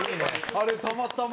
あれたまたま。